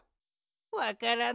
わからない。